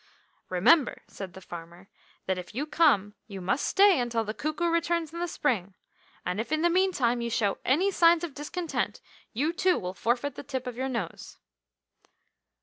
EMEMBER," said the farmer, "that if you come you must stay until the cuckoo returns in the spring, and if, in the meantime, you show any signs of discontent, you too will forfeit the tip of your nose."